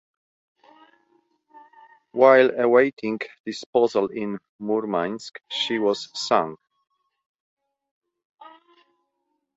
While awaiting disposal in Murmansk, she was sunk.